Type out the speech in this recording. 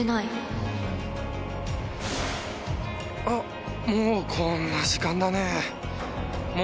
あっ！